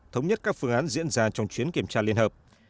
thống nhất các phương án diễn ra trong chuyến kiểm tra liên hợp